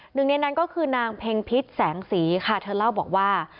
หนึ่งในนั้นก็คือนางเพ็งพิษแสงสีค่ะเธอเล่าบอกว่า